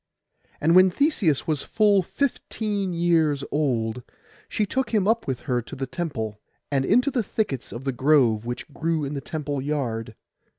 And when Theseus was full fifteen years old she took him up with her to the temple, and into the thickets of the grove which grew in the temple yard.